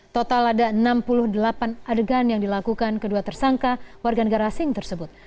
total ada enam puluh delapan adegan yang dilakukan kedua tersangka warga negara asing tersebut